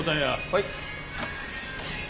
はい。